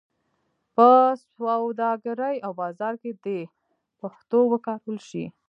په سوداګرۍ او بازار کې دې پښتو وکارول شي.